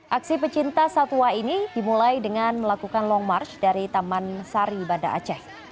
aksi pecinta satwa ini dimulai dengan melakukan long march dari taman sari banda aceh